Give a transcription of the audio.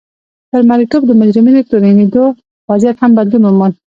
پر مریتوب د مجرمینو تورنېدو وضعیت هم بدلون وموند.